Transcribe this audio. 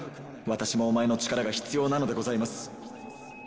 私もお前の力が必要なのでございます。